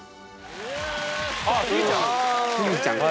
スギちゃん。